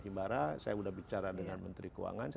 himbara saya sudah bicara dengan menteri keuangan